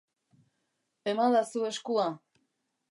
Emadazu eskua.